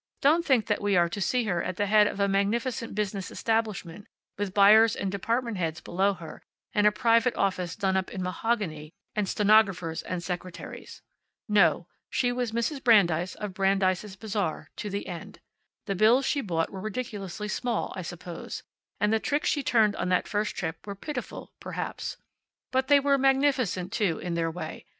Don't think that we are to see her at the head of a magnificent business establishment, with buyers and department heads below her, and a private office done up in mahogany, and stenographers and secretaries. No, she was Mrs. Brandeis, of Brandeis' Bazaar, to the end. The bills she bought were ridiculously small, I suppose, and the tricks she turned on that first trip were pitiful, perhaps. But they were magnificent too, in their way.